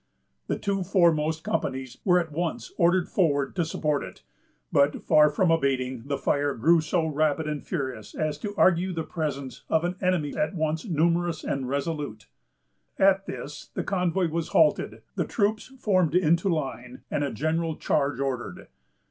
The two foremost companies were at once ordered forward to support it; but, far from abating, the fire grew so rapid and furious as to argue the presence of an enemy at once numerous and resolute. At this, the convoy was halted, the troops formed into line, and a general charge ordered.